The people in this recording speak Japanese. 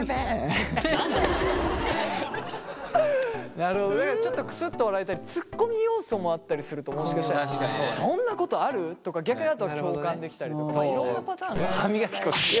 なるほどねちょっとくすっと笑えたりツッコミ要素もあったりするともしかしたらそんなことある？とか逆にあとは共感できたりとかいろんなパターンがある。